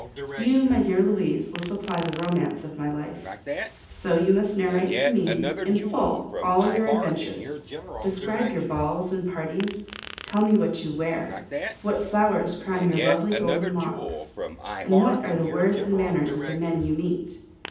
You, my dear Louise, will supply the romance of my life. So you must narrate to me in full all your adventures, describe your balls and parties, tell me what you wear, what flowers crown your lovely golden locks, and what are the words and manners of the men you meet.